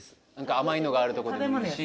甘いのがあるとこでもいいし。